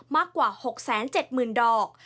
มากกว่า๖๗๐๐๐ดอก